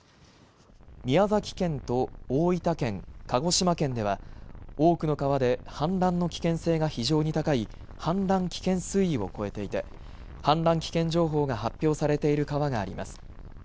宮崎県と大分県、鹿児島県では多くの川で氾濫の危険性が非常に高い氾濫危険水位を超えていて氾濫危険情報が発表されている川があります。